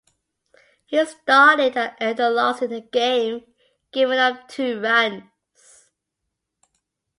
He started and earned the loss in the game, giving up two runs.